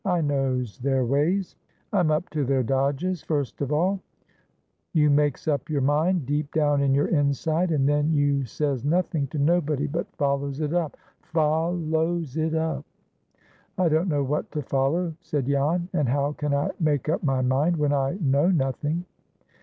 I knows their ways. I'm up to their dodges. Fust of all, you makes up your mind deep down in your inside, and then you says nothing to nobody, but follows it up. Fol lows it up!" "I don't know what to follow," said Jan; "and how can I make up my mind, when I know nothing?"